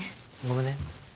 ごめんね。